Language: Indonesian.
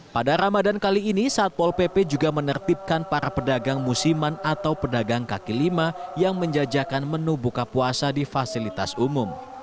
pada ramadan kali ini satpol pp juga menertibkan para pedagang musiman atau pedagang kaki lima yang menjajakan menu buka puasa di fasilitas umum